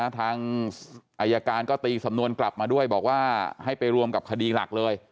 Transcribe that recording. ทางอายการก็ตีสำนวนกลับมาด้วยบอกว่าให้ไปรวมกับคดีหลักเลย